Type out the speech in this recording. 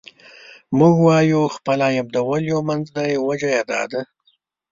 موږ چې وايو خپل عيب د ولیو منځ دی، وجه یې دا ده.